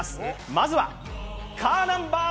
まずはカーナンバー